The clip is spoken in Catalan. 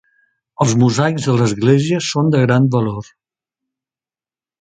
Els mosaics de l'església són de gran valor.